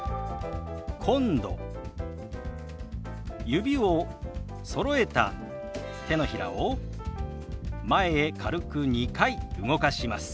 指をそろえた手のひらを前へ軽く２回動かします。